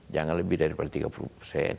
jangan lebih daripada tiga puluh persen